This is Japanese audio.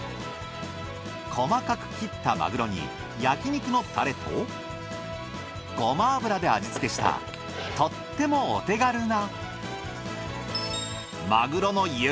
細かく切ったマグロに焼肉のタレとゴマ油で味つけしたとってもお手軽な。